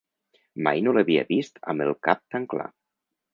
Mai no l'havia vist amb el cap tan clar.